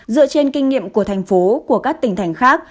dựa trên kinh nghiệm của thành phố của các tỉnh thành khác